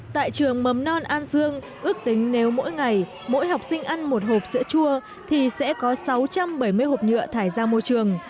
tại trường mầm non an dương ước tính nếu mỗi ngày mỗi học sinh ăn một hộp sữa chua thì sẽ có sáu trăm bảy mươi hộp nhựa thải ra môi trường